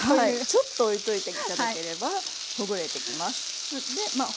ちょっとおいといて頂ければほぐれてきます。